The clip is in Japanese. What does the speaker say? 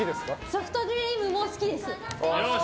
ソフトクリームも好きです。